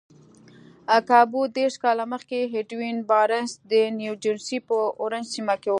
کابو دېرش کاله مخکې ايډوين بارنس د نيوجرسي په اورنج سيمه کې و.